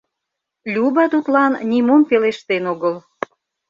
Люба тудлан нимом пелештен огыл.